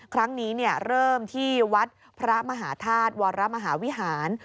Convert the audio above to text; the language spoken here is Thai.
ครั้งนี้เริ่มที่วัดพระมหาธาตุวรมหาวิหาร